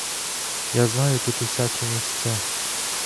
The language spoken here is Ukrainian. Я знаю тут усякі місця.